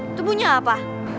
itu bunyi apa